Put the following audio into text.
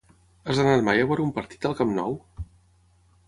Has anat mai a veure un partit al Camp Nou?